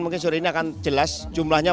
mungkin sore ini akan jelas jumlahnya